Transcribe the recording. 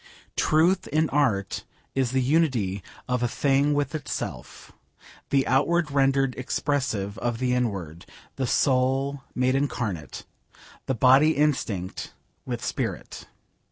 Truth in art is the unity of a thing with itself: the outward rendered expressive of the inward: the soul made incarnate: the body instinct with spirit.